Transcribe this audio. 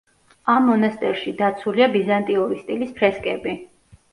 ამ მონასტერში დაცულია ბიზანტიური სტილის ფრესკები.